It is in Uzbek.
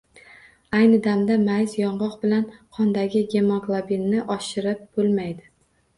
Ayni damda mayiz-yong`oq bilan qondagi gemoglabinni oshirib bo`lmaydi